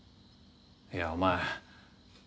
いやお前。